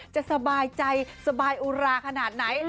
จะสบายใจสบายอุราขนาดไหน